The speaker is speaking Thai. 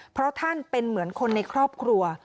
เพราะท่านเป็นเหมือนคนในครอบครัว